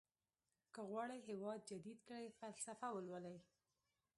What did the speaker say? که غواړئ هېواد جديد کړئ فلسفه ولولئ.